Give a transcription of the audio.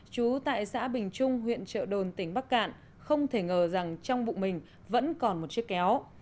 chú tại xã bình trung huyện trợ đồn tỉnh bắc cạn không thể ngờ rằng trong bụng mình vẫn còn một chiếc kéo